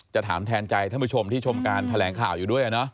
จะถามแทนใจท่านผู้ชมที่ชมการแถลงข่าวอยู่ด้วย